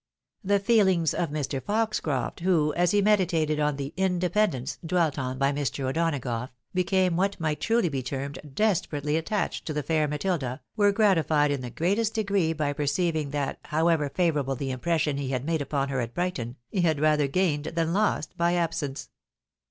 The feehngs of Mr. Foxcroft, who, as he meditated on the "independence" dwelt on by Mr. 282 THE WIDOW MARRIED. O'Donagough, became what migM truly be termed desperately attached to the fair Matilda, were gratified in the greatest degree by perceiving that, however favourable the impression he had made upon her at Brighton, he had rather gained, than lost, by absence.